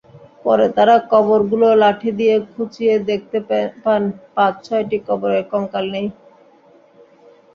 পরে তাঁরা কবরগুলো লাঠি দিয়ে খুঁচিয়ে দেখতে পান, পাঁচ-ছয়টি কবরে কঙ্কাল নেই।